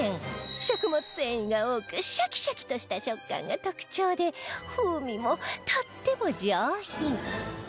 食物繊維が多くシャキシャキとした食感が特徴で風味もとっても上品